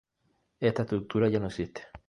Esta estructura ya no existe.